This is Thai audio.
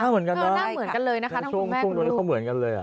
หน้าเหมือนกันได้หน้าเหมือนกันเลยนะคะทั้งคุณแม่แล้วก็เหมือนกันเลยอ่ะ